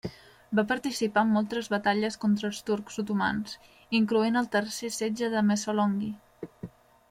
Va participar en moltes batalles contra els turcs otomans incloent el tercer Setge de Mesolongi.